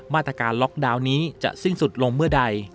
มาตรการล็อกดาวน์นี้จะสิ้นสุดลงเมื่อใด